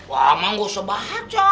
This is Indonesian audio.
wah emang gak usah baca